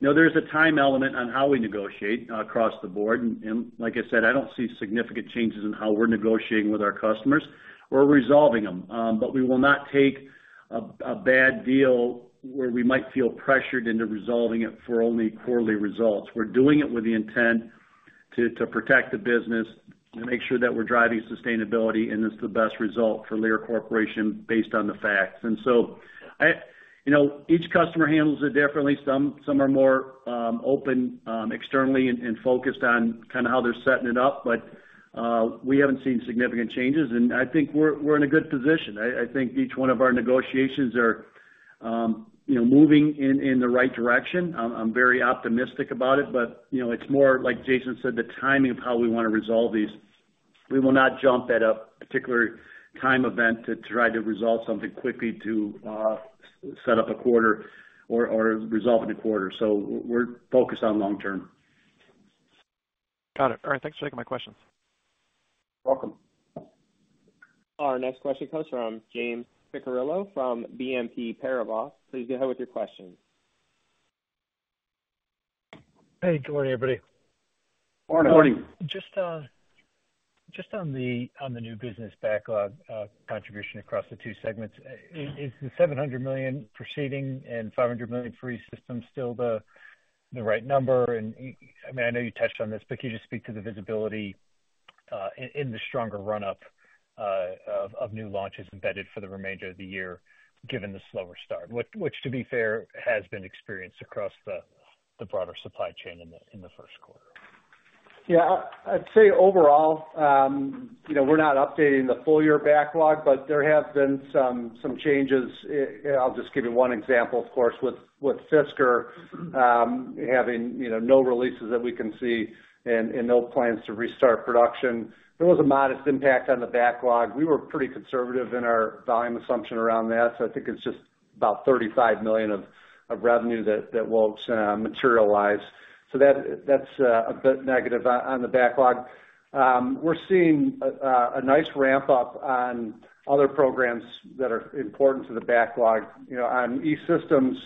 you know, there's a time element on how we negotiate across the board, and like I said, I don't see significant changes in how we're negotiating with our customers or resolving them. But we will not take a bad deal where we might feel pressured into resolving it for only poor results. We're doing it with the intent to protect the business, to make sure that we're driving sustainability, and it's the best result for Lear Corporation based on the facts. And so you know, each customer handles it differently. Some are more open externally and focused on kind of how they're setting it up, but we haven't seen significant changes, and I think we're in a good position. I think each one of our negotiations are, you know, moving in the right direction. I'm very optimistic about it, but, you know, it's more, like Jason said, the timing of how we wanna resolve these. We will not jump at a particular time event to try to resolve something quickly to set up a quarter or resolve it in a quarter. So we're focused on long term. Got it. All right, thanks for taking my questions. Welcome. Our next question comes from James Picariello from BNP Paribas. Please go ahead with your question. Hey, good morning, everybody. Morning. Morning. Just, just on the, on the new business backlog, contribution across the two segments, is the $700 million Seating and $500 million E-Systems still the right number? And, I mean, I know you touched on this, but can you just speak to the visibility in the stronger run-up of new launches embedded for the remainder of the year, given the slower start, which, to be fair, has been experienced across the broader supply chain in the first quarter? Yeah, I'd say overall, you know, we're not updating the full year backlog, but there have been some changes. I'll just give you one example, of course, with Fisker having, you know, no releases that we can see and no plans to restart production. There was a modest impact on the backlog. We were pretty conservative in our volume assumption around that, so I think it's just about $35 million of revenue that won't materialize. So that's a bit negative on the backlog. We're seeing a nice ramp-up on other programs that are important to the backlog. You know, on E-Systems,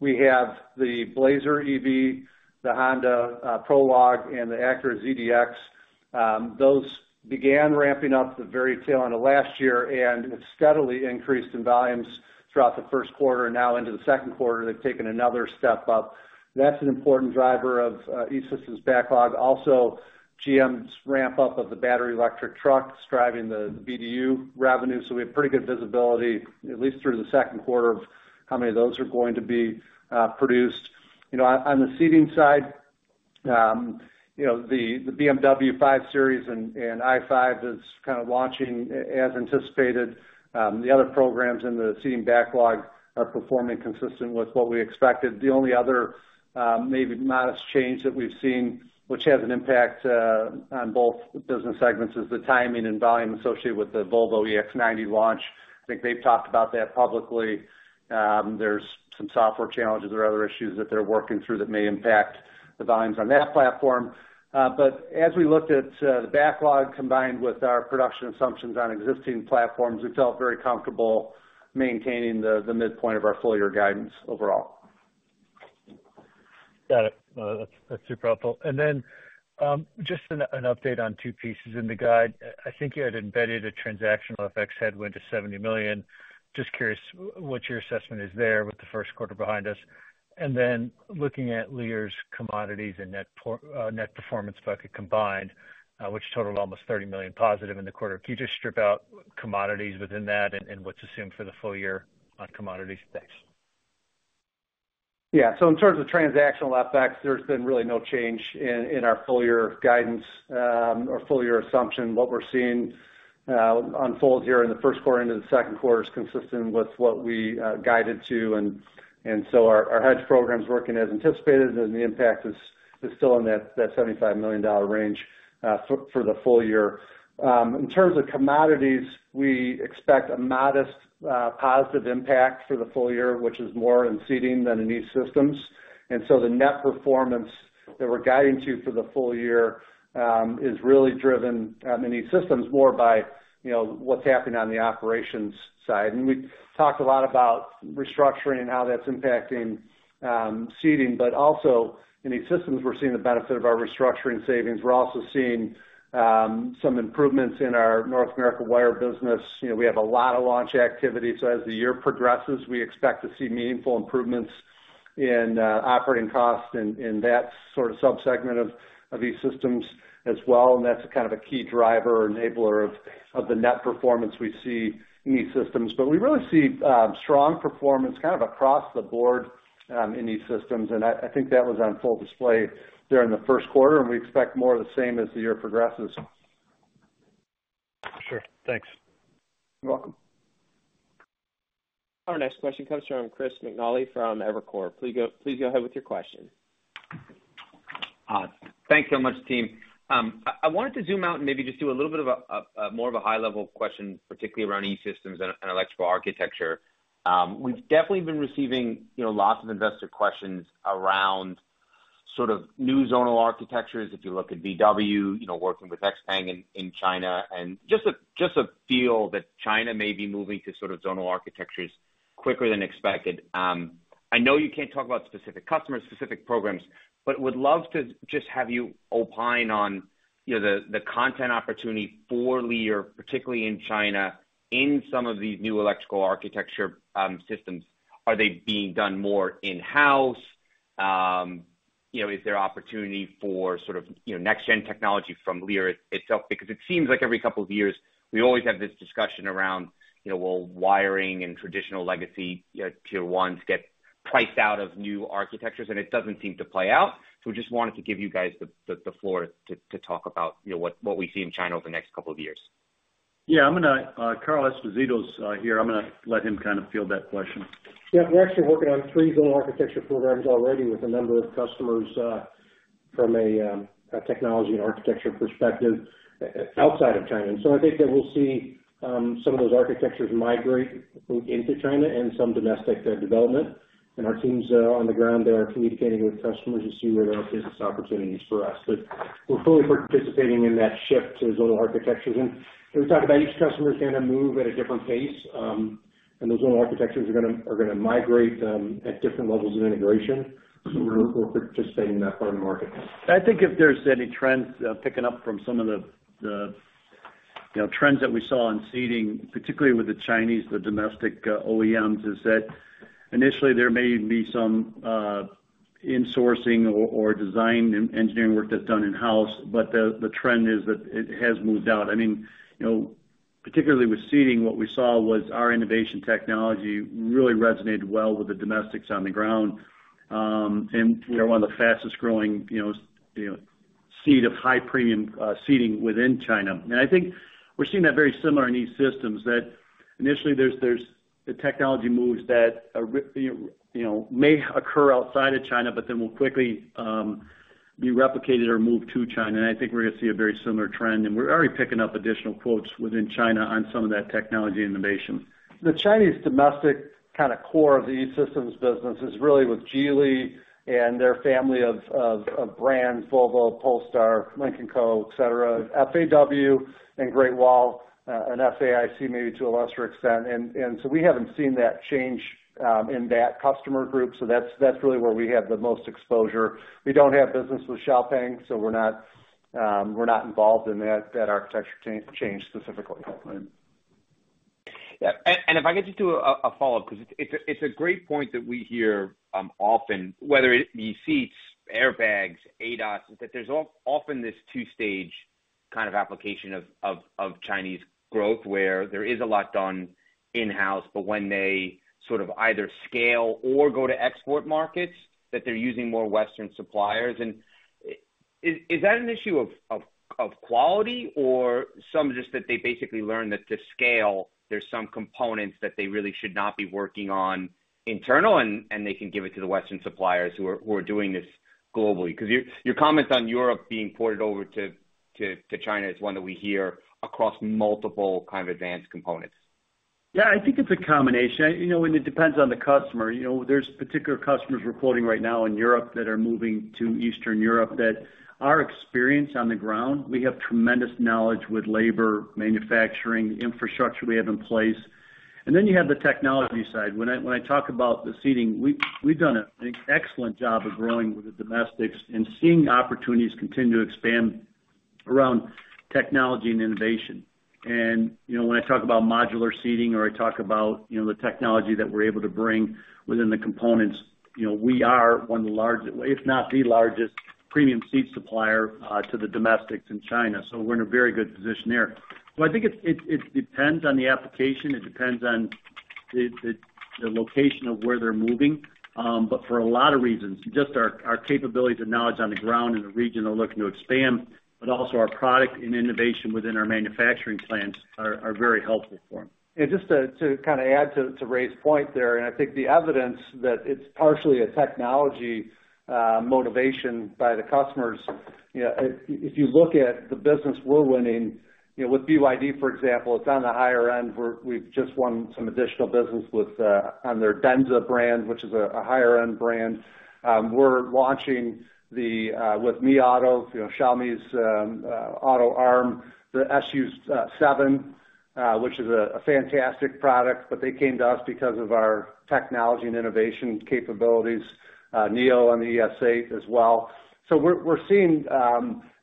we have the Blazer EV, the Honda Prologue, and the Acura ZDX. Those began ramping up the very tail end of last year and have steadily increased in volumes throughout the first quarter, and now into the second quarter, they've taken another step up. That's an important driver of E-Systems' backlog. Also, GM's ramp-up of the battery electric trucks driving the BDU revenue, so we have pretty good visibility, at least through the second quarter, of how many of those are going to be produced. You know, on the seating side, you know, the BMW 5 Series and i5 is kind of launching as anticipated. The other programs in the seating backlog are performing consistent with what we expected. The only other maybe modest change that we've seen, which has an impact on both business segments, is the timing and volume associated with the Volvo EX90 launch. I think they've talked about that publicly. There's some software challenges or other issues that they're working through that may impact the volumes on that platform. But as we looked at the backlog combined with our production assumptions on existing platforms, we felt very comfortable maintaining the, the midpoint of our full year guidance overall. Got it. That's, that's super helpful. And then, just an update on two pieces in the guide. I think you had embedded a transactional effects headwind to $70 million. Just curious what your assessment is there with the first quarter behind us? And then looking at Lear's commodities and net performance bucket combined, which totaled almost $30 million positive in the quarter, can you just strip out commodities within that and what's assumed for the full year on commodities? Thanks. Yeah. So in terms of transactional outbacks, there's been really no change in our full year guidance or full year assumption. What we're seeing unfold here in the first quarter into the second quarter is consistent with what we guided to. And so our hedge program's working as anticipated, and the impact is still in that $75 million range for the full year. In terms of commodities, we expect a modest positive impact for the full year, which is more in Seating than in E-Systems. And so the net performance that we're guiding to for the full year is really driven in E-Systems more by, you know, what's happening on the operations side. We've talked a lot about restructuring and how that's impacting Seating, but also in E-Systems, we're seeing the benefit of our restructuring savings. We're also seeing some improvements in our North American wire business. You know, we have a lot of launch activity, so as the year progresses, we expect to see meaningful improvements in operating costs in that sort of sub-segment of E-Systems as well, and that's kind of a key driver or enabler of the net performance we see in E-Systems. But we really see strong performance kind of across the board in E-Systems, and I think that was on full display during the first quarter, and we expect more of the same as the year progresses. Sure. Thanks. You're welcome. Our next question comes from Chris McNally from Evercore. Please go ahead with your question. Thanks so much, team. I wanted to zoom out and maybe just do a little bit of a more of a high-level question, particularly around E-Systems and electrical architecture. We've definitely been receiving, you know, lots of investor questions around sort of new zonal architectures. If you look at VW, you know, working with Xpeng in China, and just a feel that China may be moving to sort of zonal architectures quicker than expected. I know you can't talk about specific customers, specific programs, but would love to just have you opine on, you know, the content opportunity for Lear, particularly in China, in some of these new electrical architecture systems. Are they being done more in-house? You know, is there opportunity for sort of, you know, next gen technology from Lear itself? Because it seems like every couple of years, we always have this discussion around, you know, well, wiring and traditional legacy tier ones get priced out of new architectures, and it doesn't seem to play out. So we just wanted to give you guys the floor to talk about, you know, what we see in China over the next couple of years. Yeah, Carl Esposito is here. I'm gonna let him kind of field that question. Yeah, we're actually working on three zonal architecture programs already with a number of customers, from a technology and architecture perspective, outside of China. And so I think that we'll see some of those architectures migrate into China and some domestic development. And our teams on the ground there are communicating with customers to see where there are business opportunities for us. But we're fully participating in that shift to zonal architectures. And when we talk about each customer is gonna move at a different pace, and those zonal architectures are gonna migrate at different levels of integration, so we're participating in that part of the market. I think if there's any trends picking up from some of the, you know, trends that we saw in seating, particularly with the Chinese, the domestic OEMs, is that initially there may be some insourcing or design and engineering work that's done in-house, but the trend is that it has moved out. I mean, you know, particularly with seating, what we saw was our innovation technology really resonated well with the domestics on the ground. And we are one of the fastest growing, you know, seat of high premium seating within China. And I think we're seeing that very similar in E-Systems, that initially there's the technology moves that are, you know, may occur outside of China, but then will quickly be replicated or moved to China, and I think we're gonna see a very similar trend. We're already picking up additional quotes within China on some of that technology innovation. The Chinese domestic kind of core of the E-Systems business is really with Geely and their family of brands, Volvo, Polestar, Lynk & Co, et cetera, FAW and Great Wall, and SAIC, maybe to a lesser extent. So we haven't seen that change in that customer group, so that's really where we have the most exposure. We don't have business with Xpeng, so we're not involved in that architecture change specifically. Right. Yeah, and if I could just do a follow-up, 'cause it's a great point that we hear often, whether it be seats, airbags, ADAS, is that there's often this two-stage kind of application of Chinese growth, where there is a lot done in-house, but when they sort of either scale or go to export markets, that they're using more Western suppliers. And is that an issue of quality or some just that they basically learned that to scale, there's some components that they really should not be working on internal, and they can give it to the Western suppliers who are doing this globally? 'Cause your comments on Europe being ported over to China is one that we hear across multiple kind of advanced components. Yeah, I think it's a combination. You know, and it depends on the customer. You know, there's particular customers we're quoting right now in Europe that are moving to Eastern Europe, that our experience on the ground, we have tremendous knowledge with labor, manufacturing, the infrastructure we have in place. And then you have the technology side. When I talk about the seating, we've done an excellent job of growing with the domestics and seeing opportunities continue to expand around technology and innovation. And, you know, when I talk about modular seating or I talk about, you know, the technology that we're able to bring within the components, you know, we are one of the largest, if not the largest, premium seat supplier to the domestics in China. So we're in a very good position there. I think it depends on the application. It depends on the location of where they're moving. But for a lot of reasons, just our capabilities and knowledge on the ground in the region are looking to expand, but also our product and innovation within our manufacturing plants are very helpful for them. And just to kind of add to Ray's point there, and I think the evidence that it's partially a technology motivation by the customers. You know, if you look at the business we're winning, you know, with BYD, for example, it's on the higher end, where we've just won some additional business with on their Denza brand, which is a higher-end brand. We're launching the with Mi Auto, you know, Xiaomi's auto arm, the SU7, which is a fantastic product. But they came to us because of our technology and innovation capabilities, NIO on the ES8 as well. So we're seeing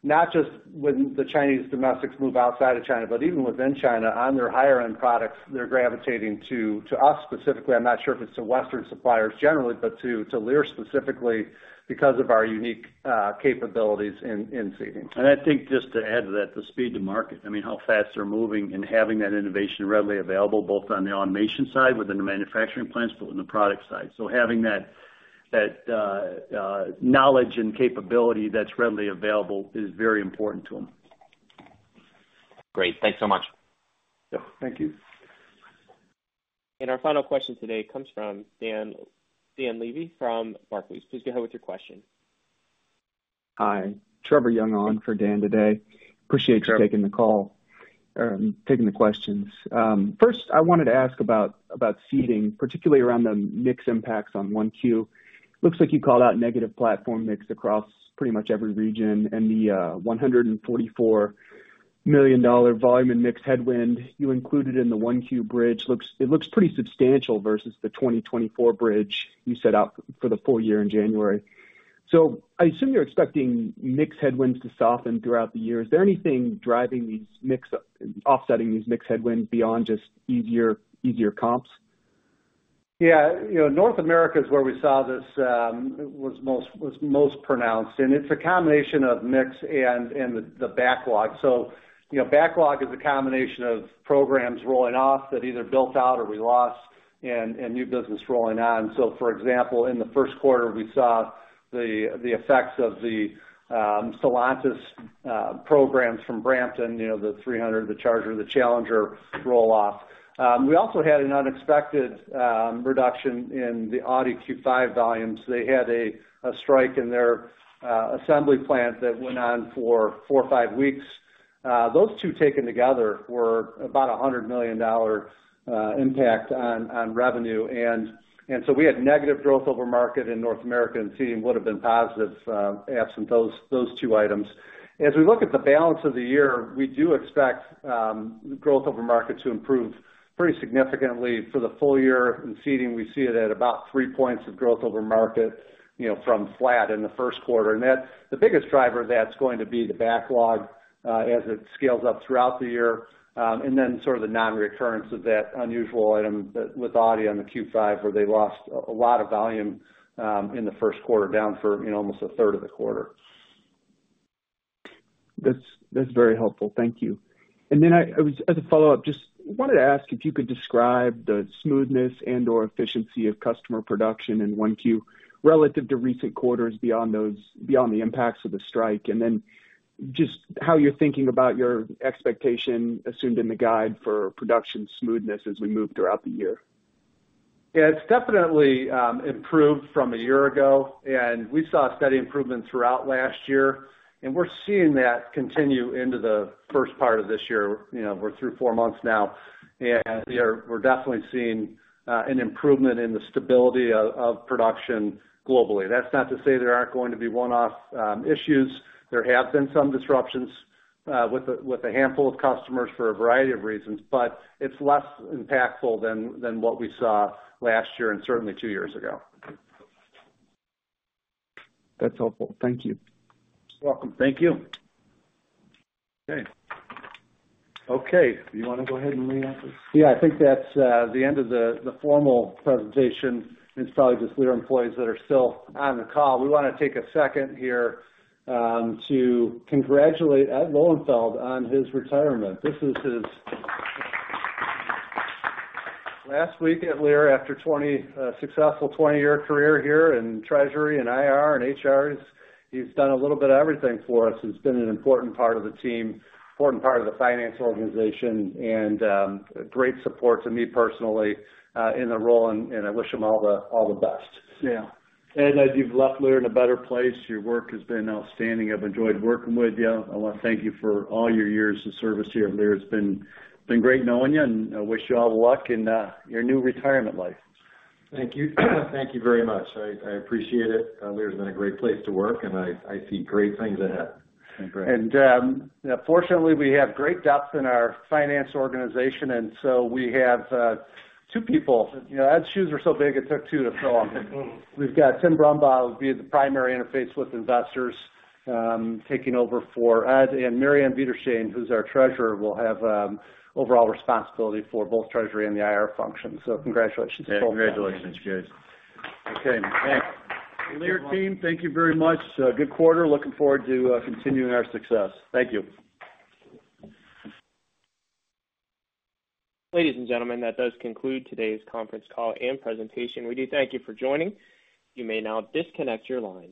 not just when the Chinese domestics move outside of China, but even within China, on their higher end products, they're gravitating to us specifically. I'm not sure if it's to Western suppliers generally, but to Lear specifically because of our unique capabilities in seating. I think just to add to that, the speed to market. I mean, how fast they're moving and having that innovation readily available, both on the automation side, within the manufacturing plants, but on the product side. So having that knowledge and capability that's readily available is very important to them. Great. Thanks so much. Yeah, thank you. Our final question today comes from Dan, Dan Levy from Barclays. Please go ahead with your question. Hi, Trevor Young on for Dan today. Appreciate you- Sure... taking the call, taking the questions. First, I wanted to ask about, about seating, particularly around the mix impacts on Q1. Looks like you called out negative platform mix across pretty much every region, and the $144 million volume and mix headwind you included in the Q1 bridge looks pretty substantial versus the 2024 bridge you set out for the full year in January. So I assume you're expecting mix headwinds to soften throughout the year. Is there anything driving these mix offsetting these mix headwinds beyond just easier comps? Yeah, you know, North America is where we saw this, was most pronounced, and it's a combination of mix and the backlog. So, you know, backlog is a combination of programs rolling off that either built out or we lost and new business rolling on. So for example, in the first quarter, we saw the effects of the Stellantis programs from Brampton, you know, the 300, the Charger, the Challenger roll off. We also had an unexpected reduction in the Audi Q5 volumes. They had a strike in their assembly plant that went on for 4 or 5 weeks. Those two taken together were about a $100 million impact on revenue. So we had negative growth over market in North America, and seating would've been positive absent those two items. As we look at the balance of the year, we do expect growth over market to improve pretty significantly for the full year. In seating, we see it at about three points of growth over market, you know, from flat in the first quarter. And that, the biggest driver of that's going to be the backlog as it scales up throughout the year, and then sort of the non-recurrence of that unusual item with Audi on the Q5, where they lost a lot of volume in the first quarter, down for, you know, almost a third of the quarter. That's, that's very helpful. Thank you. And then, as a follow-up, I just wanted to ask if you could describe the smoothness and/or efficiency of customer production in Q1, relative to recent quarters beyond the impacts of the strike? And then just how you're thinking about your expectation assumed in the guide for production smoothness as we move throughout the year? Yeah, it's definitely improved from a year ago, and we saw a steady improvement throughout last year, and we're seeing that continue into the first part of this year. You know, we're through four months now, and, you know, we're definitely seeing an improvement in the stability of production globally. That's not to say there aren't going to be one-off issues. There have been some disruptions with a handful of customers for a variety of reasons, but it's less impactful than what we saw last year and certainly two years ago. That's helpful. Thank you. You're welcome. Thank you. Okay. Okay, do you want to go ahead and wrap this? Yeah, I think that's the end of the formal presentation. It's probably just Lear employees that are still on the call. We want to take a second here to congratulate Ed Lowenfeld on his retirement. This is his last week at Lear, after 20, a successful 20-year career here in Treasury and IR and HR. He's done a little bit of everything for us and has been an important part of the team, important part of the finance organization, and a great support to me personally in the role, and I wish him all the best. Yeah. Ed, as you've left Lear in a better place, your work has been outstanding. I've enjoyed working with you. I want to thank you for all your years of service here at Lear. It's been great knowing you, and I wish you all the luck in your new retirement life. Thank you. Thank you very much. I appreciate it. Lear's been a great place to work, and I see great things ahead. Great. Fortunately, we have great depth in our finance organization, and so we have two people. You know, Ed's shoes were so big, it took two to fill them. We've got Tim Brumbaugh, will be the primary interface with investors, taking over for Ed, and Marianne Viderstine, who's our treasurer, will have overall responsibility for both Treasury and the IR function, so congratulations to both of you. Yeah, congratulations, guys. Okay, thanks. Lear team, thank you very much. Good quarter. Looking forward to continuing our success. Thank you. Ladies and gentlemen, that does conclude today's conference call and presentation. We do thank you for joining. You may now disconnect your line.